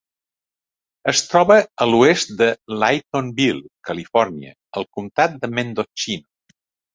Es troba a l'oest de Laytonville, Califòrnia, al comtat de Mendocino.